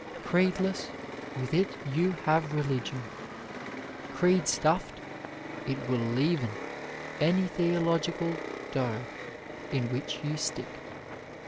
Creedless, with it you have re ligion; creed stuffed, it will 56 OF LIFE leaven any theological dough in which you stick.